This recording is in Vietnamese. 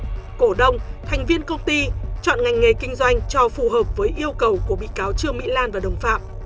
cổ đông thành viên công ty chọn ngành nghề kinh doanh cho phù hợp với yêu cầu của bị cáo trương mỹ lan và đồng phạm